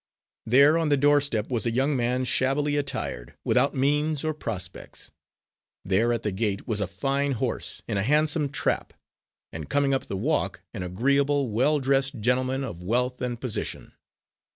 There on the doorstep was a young man shabbily attired, without means or prospects. There at the gate was a fine horse, in a handsome trap, and coming up the walk an agreeable, well dressed gentleman of wealth and position.